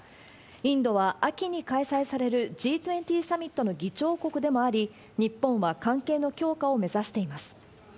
インドは、秋に開催されるＧ２０サミットの議長国でもあり、日本は関係の強化を目指しています。